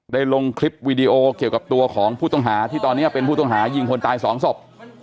ลงคลิปวีดีโอเกี่ยวกับตัวของผู้ต้องหาที่ตอนนี้เป็นผู้ต้องหายิงคนตายสองศพ